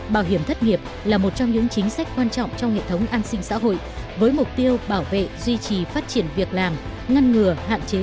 bảo hiểm thất nghiệp là một trong những chính sách quan trọng trong hệ thống an sinh xã hội với mục tiêu bảo vệ duy trì phát triển việc làm ngăn ngừa hạn chế